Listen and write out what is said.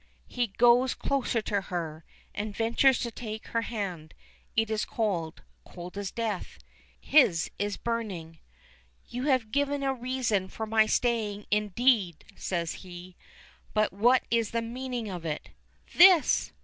He goes closer to her, and ventures to take her hand. It is cold cold as death. His is burning. "You have given a reason for my staying, indeed," says he. "But what is the meaning of it?" "This!"